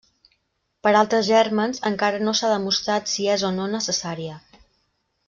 Per altres gèrmens, encara no s'ha demostrat si és o no necessària.